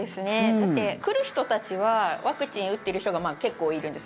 だって、来る人たちはワクチン打ってる人が結構いるんです。